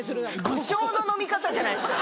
武将の飲み方じゃないですか。